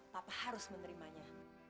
papa harus menerimanya